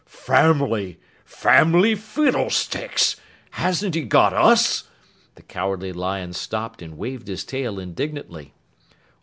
"Family! Family fiddlesticks! Hasn't he got us?" The Cowardly Lion stopped and waved his tail indignantly.